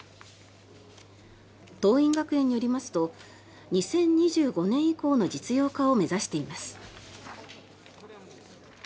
桐蔭学園によりますと２０２５年以降の実用化を目指しています。